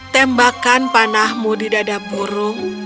tembakan panahmu di dada burung